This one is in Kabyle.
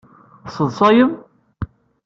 Tesseḍṣayem?